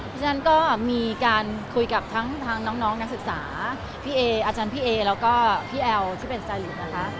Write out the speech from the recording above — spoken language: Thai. ฉะนั้นก็มีการคุยกับทั้งน้องนักศึกษาพี่เออาจารย์พี่เอแล้วก็พี่แอลที่เป็นซาลิกนะคะ